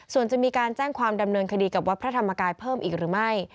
ส่วนจะมีการแจ้งความดำเนินคดีกับวัดพระธรรมกายเพิ่มอีกหรือไม่